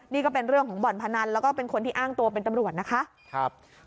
นี่ก็เป็นเรื่องของบ่อนพนันแล้วก็เป็นคนที่อ้างตัวเป็นตำรวจนะคะ